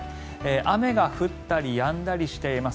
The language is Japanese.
雨が降ったりやんだりしています。